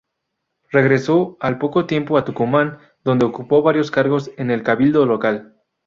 Regresó al poco tiempo a Tucumán, donde ocupó varios cargos en el cabildo local.